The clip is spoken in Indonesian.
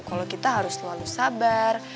kalau kita harus selalu sabar